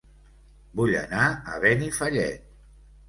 Vull anar a Benifallet